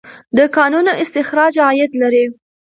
د کانونو استخراج عاید لري.